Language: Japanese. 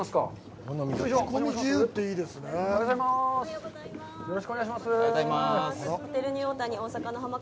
濱川さん、よろしくお願いします。